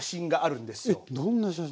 えっどんな写真？